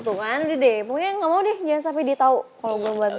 tunggu kan deh deh pokoknya gak mau deh jangan sampe dia tau kalo gue mau bantu dia